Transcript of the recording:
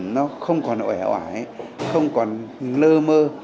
nó không còn ẻo ải không còn lơ mơ